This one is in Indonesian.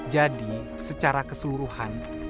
jadi secara keseluruhan